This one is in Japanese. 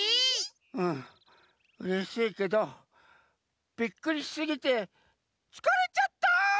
うんうれしいけどビックリしすぎてつかれちゃった！